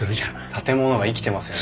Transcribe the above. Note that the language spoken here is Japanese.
建物が生きてますよね。